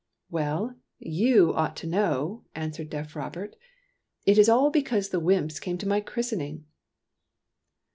''Well, you ought to know/' answered deaf Robert. " It is all because the wymps came to my christening."